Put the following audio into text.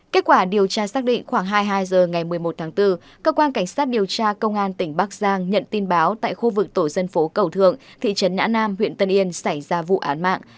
kết quả điều tra xác định khoảng hai mươi hai h ngày một mươi một tháng bốn cơ quan cảnh sát điều tra công an tỉnh bắc giang nhận tin báo tại khu vực tổ dân phố cầu thượng thị trấn nã nam huyện tân yên xảy ra vụ án mạng